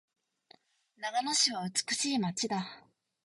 長野市は美しい街だ。